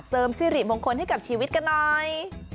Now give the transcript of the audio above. สิริมงคลให้กับชีวิตกันหน่อย